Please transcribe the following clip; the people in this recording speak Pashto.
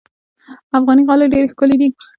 افغاني غالۍ ډېرې ښکلې دي.